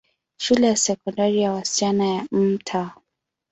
Shule ya Sekondari ya wasichana ya Mt.